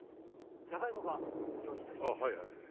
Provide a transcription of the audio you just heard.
じゃがいもが用意してありますけれども。